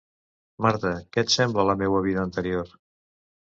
Marta, què et sembla la meua vida anterior?